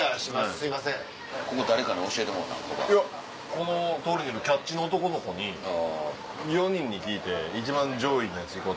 この通りにいるキャッチの男の子に４人に聞いて一番上位のやつ行こう。